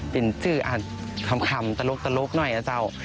เป็นชื่ออ่านคำตลกหน่อยนะเจ้า